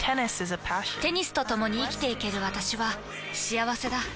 テニスとともに生きていける私は幸せだ。